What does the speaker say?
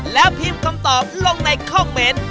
แล้วพิมพ์คำตอบลงในคอมเมนต์